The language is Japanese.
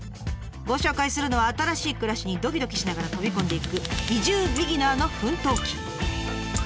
ご紹介するのは新しい暮らしにドキドキしながら飛び込んでいく移住ビギナーの奮闘記。